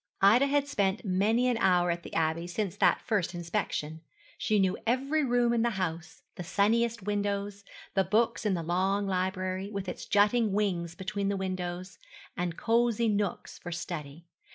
Ida had spent many an hour at the Abbey since that first inspection. She knew every room in the house the sunniest windows the books in the long library, with its jutting wings between the windows, and cosy nooks for study.